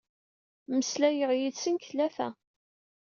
Mmeslayeɣ yid-sen deg tlata.